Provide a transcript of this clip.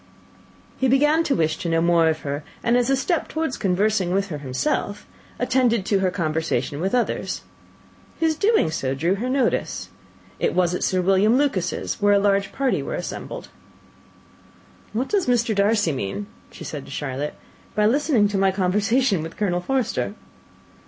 He began to wish to know more of her; and, as a step towards conversing with her himself, attended to her conversation with others. His doing so drew her notice. It was at Sir William Lucas's, where a large party were assembled. "What does Mr. Darcy mean," said she to Charlotte, "by listening to my conversation with Colonel Forster?"